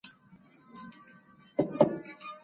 خلګ په عامه کتابتونونو کي بېلابېل کتابونه ګوري.